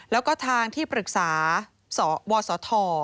แล้วก็ทางที่ปรึกษาวศธ